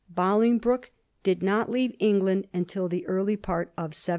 17 Bolingbroke did not leave England until the early part of 1735.